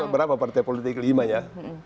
berapa partai politik kelima ya